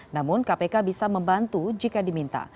namun kpk bisa membantu jika diminta